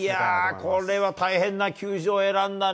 これは大変な球場を選んだね。